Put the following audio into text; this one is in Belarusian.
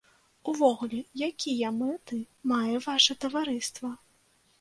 Увогуле, якія мэты мае ваша таварыства?